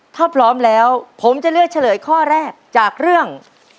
ถ้าพร้อมแล้วผมจะเลือกเฉลยข้อแรกจากเรื่อง